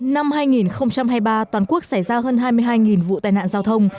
năm hai nghìn hai mươi ba toàn quốc xảy ra hơn hai mươi hai vụ tai nạn giao thông